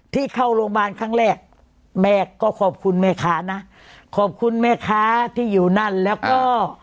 ที่เข้าโรงพยาบาลครั้งแรกแม่ก็ขอบคุณแม่ค้านะขอบคุณแม่ค้าที่อยู่นั่นแล้วก็